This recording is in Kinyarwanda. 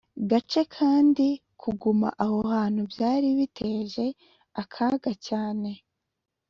gace kandi kuguma aho hantu byari biteje akaga cyane